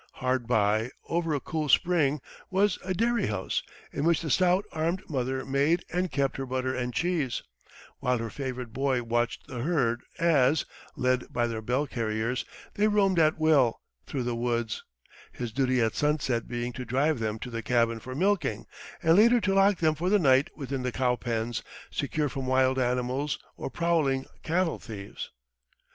Hard by, over a cool spring, was a dairy house, in which the stout armed mother made and kept her butter and cheese; while her favorite boy watched the herd as, led by their bell carriers, they roamed at will through the woods, his duty at sunset being to drive them to the cabin for milking, and later to lock them for the night within the cow pens, secure from wild animals or prowling cattle thieves.